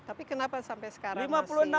tapi kenapa sampai sekarang masih